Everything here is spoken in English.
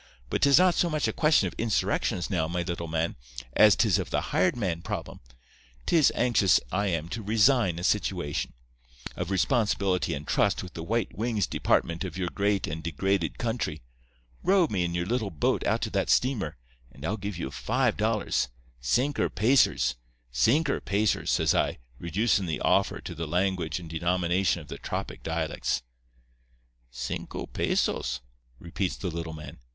But 'tis not so much a question of insurrections now, me little man, as 'tis of the hired man problem. 'Tis anxious I am to resign a situation of responsibility and trust with the white wings department of your great and degraded country. Row me in your little boat out to that steamer, and I'll give ye five dollars—sinker pacers—sinker pacers,' says I, reducin' the offer to the language and denomination of the tropic dialects. "'Cinco pesos,' repeats the little man.